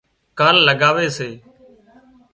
کال لڳاوي سي